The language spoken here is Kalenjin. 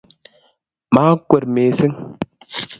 maakwer mising